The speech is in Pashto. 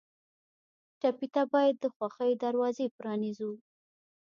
ټپي ته باید د خوښیو دروازې پرانیزو.